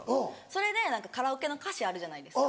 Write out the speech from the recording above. それでカラオケの歌詞あるじゃないですか。